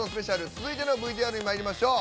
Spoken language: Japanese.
続いてのＶＴＲにまいりましょう。